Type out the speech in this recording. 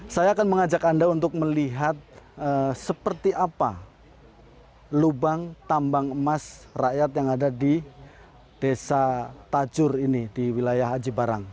saya akan mengajak anda untuk melihat seperti apa lubang tambang emas rakyat yang ada di desa tajur ini di wilayah haji barang